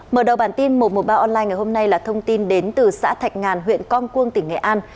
mở đầu bản tin một trăm một mươi ba online ngày hôm nay là thông tin đến từ xã thạch ngàn huyện con cuông tỉnh nghệ an